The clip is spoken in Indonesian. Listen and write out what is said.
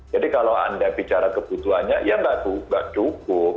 jadi kalau anda bicara kebutuhannya ya nggak cukup